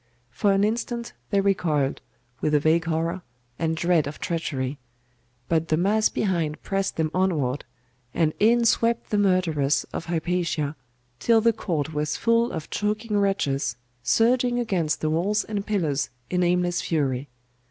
For an instant they recoiled, with a vague horror, and dread of treachery: but the mass behind pressed them onward, and in swept the murderers of Hypatia, till the court was full of choking wretches, surging against the walls and pillars in aimless fury.